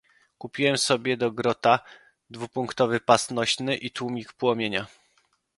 Kupiłem sobie do Grota dwupunktowy pas nośny i tłumik płomienia.